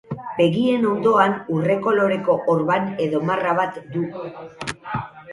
Begien ondoan urre koloreko orban edo marra bat du.